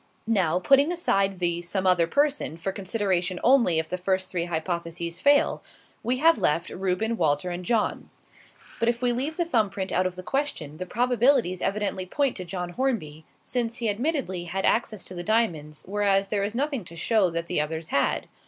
Now, putting aside the 'some other person' for consideration only if the first three hypotheses fail, we have left, Reuben, Walter, and John. But if we leave the thumb print out of the question, the probabilities evidently point to John Hornby, since he, admittedly, had access to the diamonds, whereas there is nothing to show that the others had.